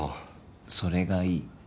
それがいい。